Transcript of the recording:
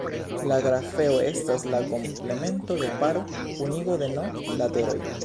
La grafeo estas la komplemento de paro-kunigo de "n" lateroj.